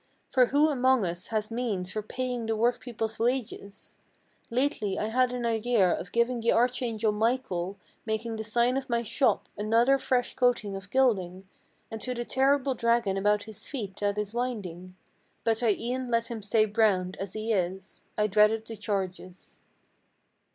For who among us has means for paying the work people's wages Lately I had an idea of giving the Archangel Michael, Making the sign of my shop, another fresh coating of gilding, And to the terrible dragon about his feet that is winding; But I e'en let him stay browned as he is: I dreaded the charges."